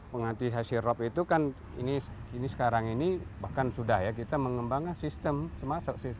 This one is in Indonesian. penghentikan hasil rop itu kan ini sekarang ini bahkan sudah ya kita mengembangkan sistem